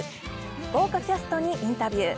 豪華キャストにインタビュー。